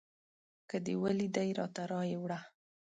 که دې ولیدی راته رایې وړه